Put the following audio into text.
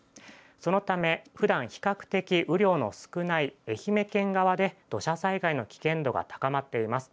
そのため、ふだん比較的雨量の少ない愛媛県側で土砂災害の危険度が高まっています。